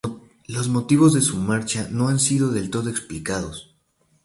Los motivos de su marcha no han sido del todo explicados.